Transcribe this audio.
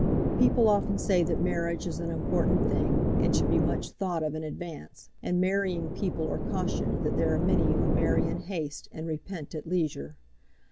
People often say that marriage is an important thing, and should be much thought of in advance, and marrying people are cautioned that there are many who marry in haste and repent at leisure.